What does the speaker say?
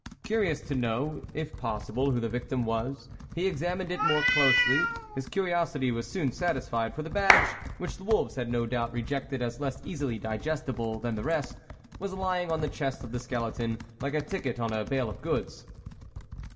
Curious to know if possible who the victim was, he examined it more closely ; his curiosity was soon satisfied, for the badge, which the wolves had no doubt rejected as less easily digestible than the rest, was lying on the chest of the skeleton, like a ticket on a bale of goods.